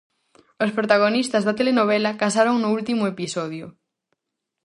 Os protagonistas da telenovela casaron no último episodio.